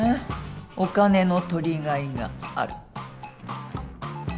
お金の取りがいがある。